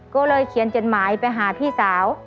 ก็เลยเขียนจดหมายไปหาพี่สาว